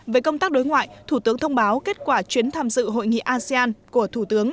về công tác đối ngoại thủ tướng thông báo kết quả chuyến tham dự hội nghị asean của thủ tướng